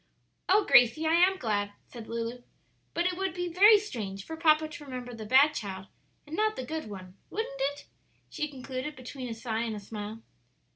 "Oh, Gracie, I am glad," said Lulu; "but it would be very strange for papa to remember the bad child and not the good one, wouldn't it?" she concluded, between a sigh and a smile.